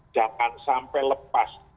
jangan sampai lepas